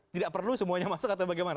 tidak perlu semuanya masuk atau bagaimana